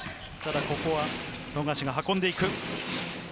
ただここは富樫が運んでいく。